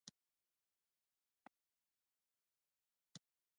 د هلمند کانالونه ځمکې خړوبوي.